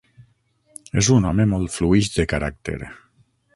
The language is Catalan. És un home molt fluix de caràcter.